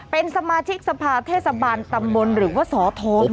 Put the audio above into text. เป็นสมาชิกสภาเทศบาลตำบลหรือว่าสอทอง